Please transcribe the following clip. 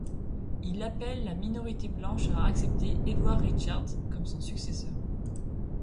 Il appelle la minorité blanche a accepté Edward Richards comme son successeur.